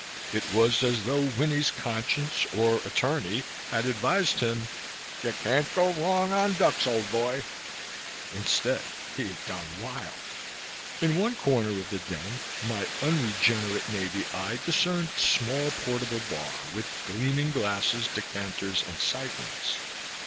It was as though Winnie's conscience or attorney had advised him: "You can't go wrong on ducks, old boy!" Instead, he had gone wild. In one corner of the den my unregenerate Navy eye discerned a small portable bar, with gleaming glasses, decanters and syphons.